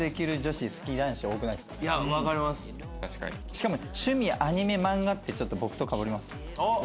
しかも趣味アニメ漫画ってちょっと僕とかぶります。